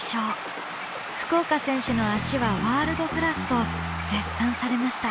福岡選手の足はワールドクラスと絶賛されました。